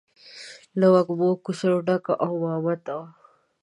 له وږمو ډکه کوڅه او مامته وه.